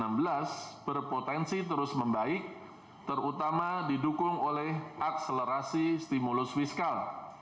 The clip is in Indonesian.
pertumbuhan ekonomi diperkirakan lebih tinggi dari triwulan sebelumnya terutama didukung oleh akselerasi stimulus fiskal